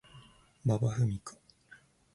馬場ふみか